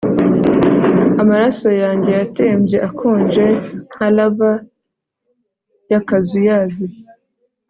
Amaraso yanjye yatembye akonje nka lava yakazuyazi